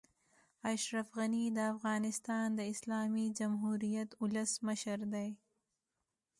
اشرف غني د افغانستان د اسلامي جمهوريت اولسمشر دئ.